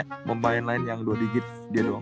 gak ada pemain lain yang dua digit dia doang